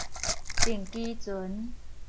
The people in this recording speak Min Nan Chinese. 定期船